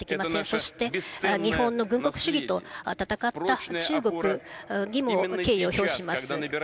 そして、日本の軍国主義と戦った中国にも敬意を表します。